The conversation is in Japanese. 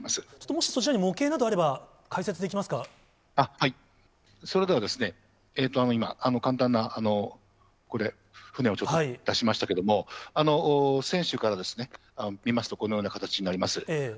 もしそちらに模型などあれば、それではですね、今、簡単なこれ、船を出しましたけれども、船首から見ますとこのような形になります。